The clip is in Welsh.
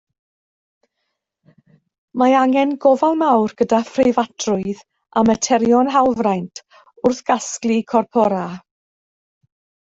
Mae angen gofal mawr gyda phreifatrwydd a materion hawlfraint wrth gasglu corpora.